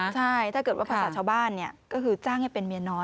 ใช่ถ้าเกิดว่าภาษาชาวบ้านก็คือจ้างให้เป็นเมียน้อย